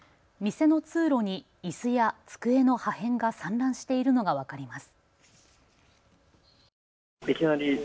店の通路にいすや机の破片が散乱しているのが分かります。